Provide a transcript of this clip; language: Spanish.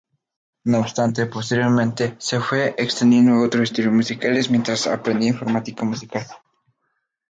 No obstante, posteriormente se fue extendiendo a otros estilos musicales, mientras aprendía informática musical.